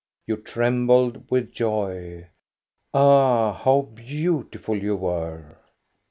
You trembled with joy. Ah, how beautiful you were!